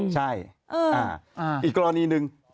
ใช่อีกกรณีหนึ่ง